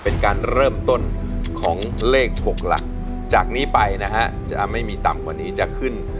เป็นการเริ่มต้นของเลข๖หลักจากนี้ไปนะฮะจะไม่มีต่ำกว่านี้จะขึ้น